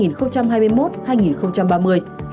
giai đoạn hai nghìn hai mươi một hai nghìn ba mươi